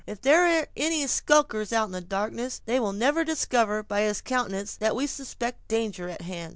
If there are any skulkers out in the darkness, they will never discover, by his countenance, that we suspect danger at hand."